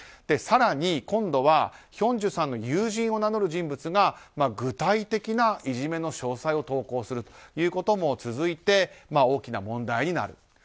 更に、今度はヒョンジュさんの友人を名乗る人物が具体的ないじめの詳細を投稿するということも続いて、大きな問題になる。